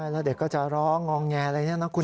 แล้วเด็กก็จะร้องงองแงอะไรเนี่ยนะคุณ